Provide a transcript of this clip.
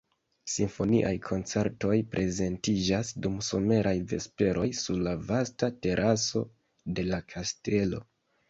Simfoniaj koncertoj prezentiĝas dum someraj vesperoj sur la vasta teraso de la kastelo.